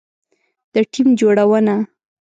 د ټیم جوړونه